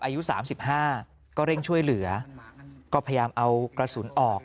อายุ๓๕ก็เร่งช่วยเหลือก็พยายามเอากระสุนออก